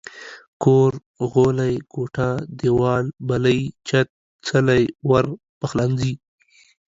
کور ، غولی، کوټه، ديوال، بلۍ، چت، څلی، ور، پخلنځي